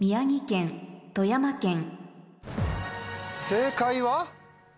正解は？